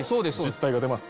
実体が出ます